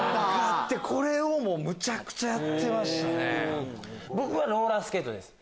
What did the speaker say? むちゃくちゃやってましたね。